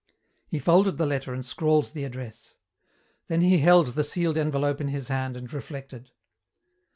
He folded the letter and scrawled the address. Then he held the sealed envelope in his hand and reflected.